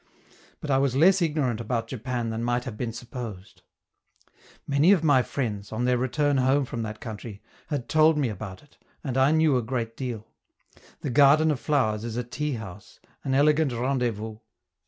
But I was less ignorant about Japan than might have been supposed. Many of my friends, on their return home from that country, had told me about it, and I knew a great deal; the Garden of Flowers is a tea house, an elegant rendezvous.